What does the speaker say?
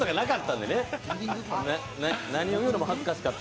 何を言うのも恥ずかしかった。